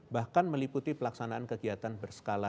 bahkan meliputi pelaksanaan kegiatan berskala